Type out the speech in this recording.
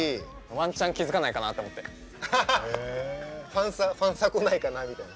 ファンサファンサ来ないかなみたいな。